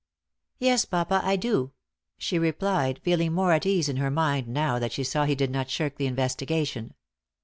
"Yes, papa, I do," she replied, feeling more at ease in her mind now that she saw he did not shirk the investigation.